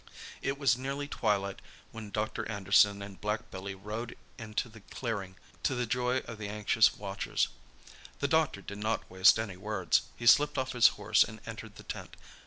It was nearly twilight when Dr. Anderson and black Billy rode into the clearing, to the joy of the anxious watchers. The doctor did not waste any words. He slipped off his horse and entered the tent.